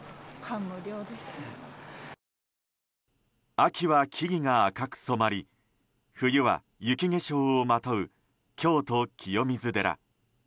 秋は木々が赤く染まり冬は雪化粧をまとう京都・清水寺。